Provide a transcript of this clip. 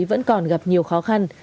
vẫn còn gặp nhiều khó khăn